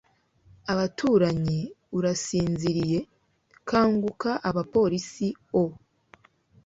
abaturanyi, urasinziriye? kanguka! abapolisi-o